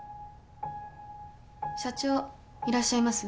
社長いらっしゃいます？